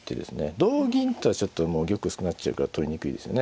同銀とはちょっともう玉薄くなっちゃうから取りにくいですよね。